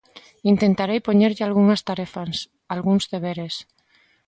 Intentarei poñerlle algunhas tarefas, algúns deberes.